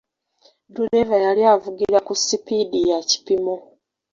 Duleeva yali avugira ku sipiidi ya kipimo.